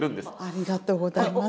ありがとうございます。